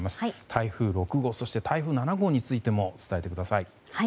台風６号そして台風７号についても伝えてください。